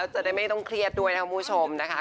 จะได้ไม่ต้องเครียดด้วยนะครับคุณผู้ชมนะคะ